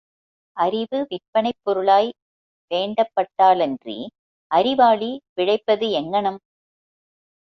அறிவு விற்பனைப் பொருளாய் வேண்டப்பட்டாலன்றி, அறிவாளி பிழைப்பது எங்ஙனம்?